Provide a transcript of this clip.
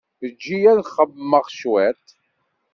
Ejj-iyi ad xemmemeɣ cwiṭ.